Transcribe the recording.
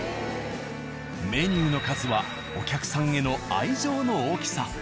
メニューの数はお客さんへの愛情の大きさ。